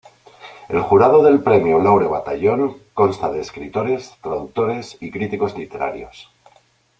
El jurado del Premio Laure Bataillon consta de escritores, traductores y críticos literarios.